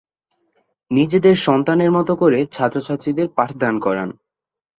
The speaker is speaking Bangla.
নিজেদের সন্তানের মতো করে ছাত্র/ছাত্রীদের পাঠদান করান।